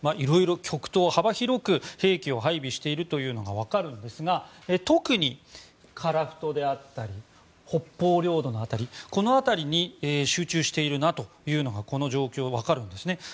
色々、極東に幅広く兵器を配備しているというのがわかるんですが特に樺太であったり北方領土の辺りこの辺りに集中しているなというのがこの状況、わかるんですね。